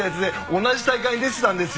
同じ大会に出てたんですよ。